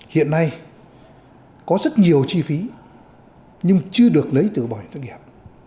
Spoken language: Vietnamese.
hiện nay có rất nhiều chi phí nhưng chưa được lấy từ bảo hiểm thất nghiệp